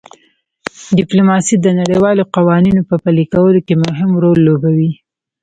ډیپلوماسي د نړیوالو قوانینو په پلي کولو کې مهم رول لوبوي